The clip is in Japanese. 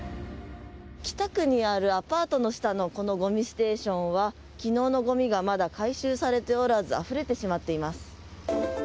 北区にあるアパートの下のこのゴミステーションは昨日のゴミがまだ回収されておらずあふれてしまっています。